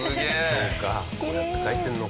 そうかこうやって書いてるのか。